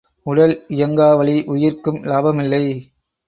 உடல் இயங்காவழி உயிர்க்கும் இலாபமில்லை.